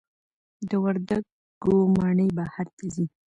د وردګو مڼې بهر ته ځي؟